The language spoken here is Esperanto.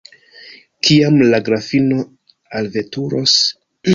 Kiam la grafino alveturos?